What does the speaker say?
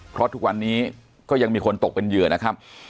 เพราะทุกวันนี้ก็ยังมีคนตกเป็นเหยื่อนะครับ